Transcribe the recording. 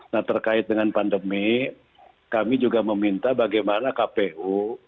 nah terkait dengan pandemi kami juga meminta bagaimana kpu